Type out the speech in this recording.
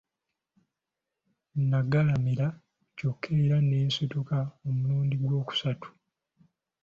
Nagalamira kyokka era ne nsituka omulundi ogw'okusatu.